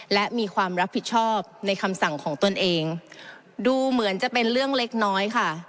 และมีความรับผิดชอบในคำสั่งของตนเองดูเหมือนจะเป็นเรื่องเล็กน้อยค่ะ